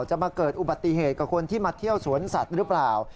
จะมาเกิดอุบัติเหตุกับคนที่มาเที่ยวสวนสัตว์หรือเปล่า